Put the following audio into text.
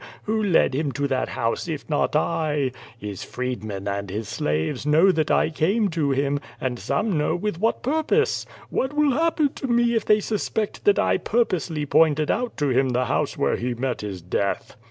who led him to that house if not I? His freed men and his slaves know that I came to him^ and some know iy5 Q^^ VADTfi, with what purpose. What will happen to me if they suspect that I purpose!}^ pointed out to him the house where he met his death?